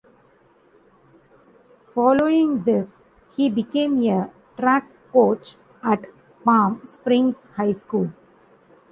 Following this he became a track coach at Palm Springs High School.